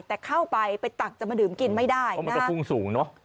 แต่เข้าไปไปตักจะมาดื่มกินไม่ได้เพราะมันจะพุ่งสูงเนอะ